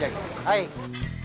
はい。